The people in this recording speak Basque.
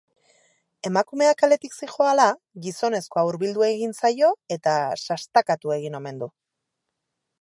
Emakumea kaletik zihoala, gizonezkoa hurbildu egin zaio eta sastakatu egin omen du.